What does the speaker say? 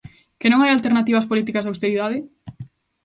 Que non hai alternativa ás políticas de austeridade?